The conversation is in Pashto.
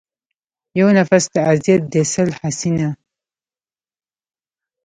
يو نٙفٙس د اذيت دې سل حسينه